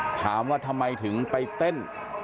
ถามว่าทำไมถึงไปเต้น